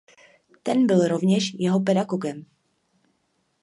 Ten byl rovněž jeho pedagogem.